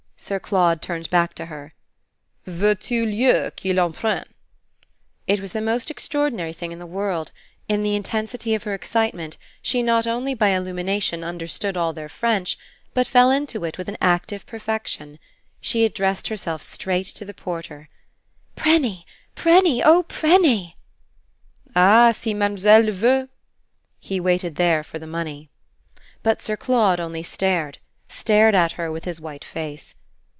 Sir Claude turned back to her. "Veux tu lieu qu'il en prenne?" It was the most extraordinary thing in the world: in the intensity of her excitement she not only by illumination understood all their French, but fell into it with an active perfection. She addressed herself straight to the porter. "Prenny, prenny. Oh prenny!" "Ah si mademoiselle le veut !" He waited there for the money. But Sir Claude only stared stared at her with his white face.